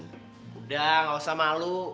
udah gak usah malu